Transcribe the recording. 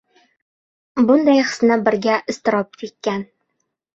Bunday hisni birga iztirob chekkan.